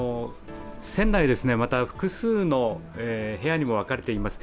船内、また複数の部屋にも分かれています。